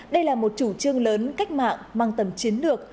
đây là một chủ trương lớn cách mạng mang tầm chiến lược